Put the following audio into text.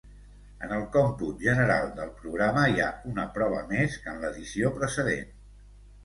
En el còmput general del programa hi ha una prova més que en l'edició precedent.